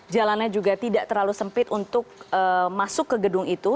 jalannya juga tidak terlalu sempit untuk masuk ke gedung itu